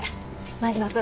前島君